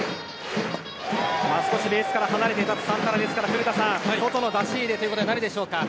少しベースから離れて立つサンタナですから古田さん、外の出し入れとなるでしょうか。